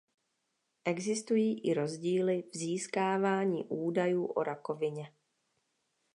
Existují i rozdíly v získávání údajů o rakovině.